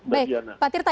baik pak tirta